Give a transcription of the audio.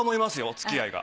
付き合いが。